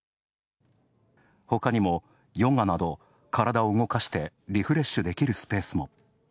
ほかにも、ヨガなど体を動かしてリフレッシュできるスペースも。